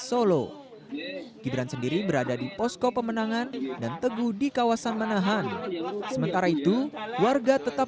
solo gibran sendiri berada di posko pemenangan dan teguh di kawasan manahan sementara itu warga tetap